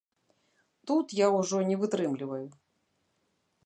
Тут я ўжо не вытрымліваю.